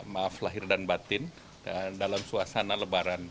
maaf lahir dan batin dalam suasana lebaran